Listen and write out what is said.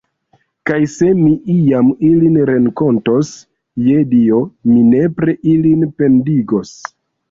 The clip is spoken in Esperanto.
Kaj se mi iam ilin renkontos, je Dio, mi nepre ilin pendigos.